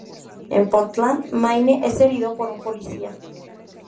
En Portland, Maine, es herido por un policía.